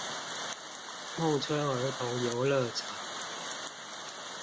孟春兒童遊樂場